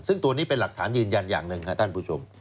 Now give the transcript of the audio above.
ซึ่งตัวนี้เป็นหลักฐานยืนยันอย่างหนึ่งครับท่านผู้ชม